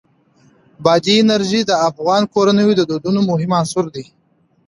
بادي انرژي د افغان کورنیو د دودونو مهم عنصر دی.